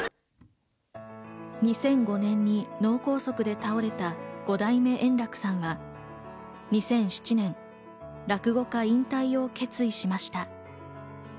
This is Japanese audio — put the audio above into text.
２００５年に脳梗塞で倒れた五代目・圓楽さんは２００７年、落語家引退を決意しました。